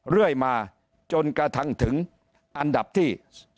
เรื่อยมาจนกระทั่งถึงอันดับที่